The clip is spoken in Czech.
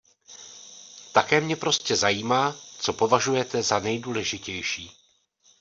Také mě prostě zajímá, co považujete za nejdůležitější.